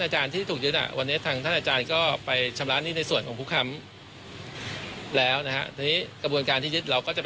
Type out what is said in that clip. จะไปถอดการยึดนะครับ